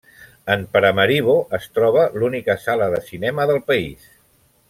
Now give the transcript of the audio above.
En Paramaribo es troba l'única sala de cinema del país.